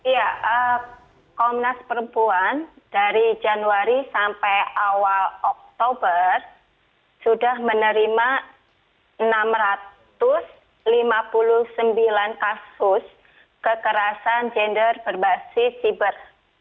ya komnas perempuan dari januari sampai awal oktober sudah menerima enam ratus lima puluh sembilan kasus kekerasan gender berbasis siber